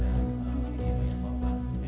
kita itu tidak mencukupi